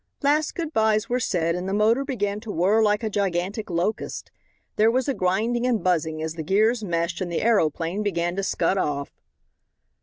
Last good byes were said, and the motor began to whirr like a gigantic locust. There was a grinding and buzzing as the gears meshed and the aeroplane began to scud off.